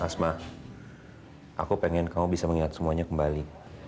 asma aku pengen kamu bisa mengingat semuanya kembali